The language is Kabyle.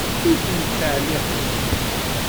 Ur ten-ttɛelliqeɣ.